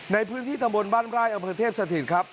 ในพื้นที่ทะมนต์บ้านปลายอเภอเทพสถิตครับ